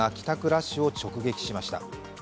ラッシュを直撃しました。